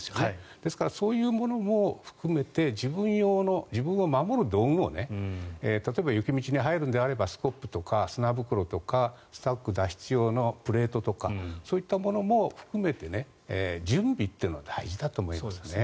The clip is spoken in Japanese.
ですからそういうものも含めて自分を守る道具を例えば雪道に入るのであればスコップとか砂袋とかスタック脱出用のプレートとかそういったものも含めて準備というのは大事だと思いますね。